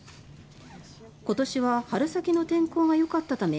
今年は春先の天候がよかったため